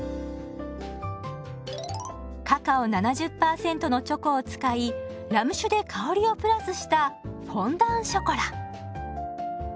カカオ７０％のチョコを使いラム酒で香りをプラスしたフォンダンショコラ。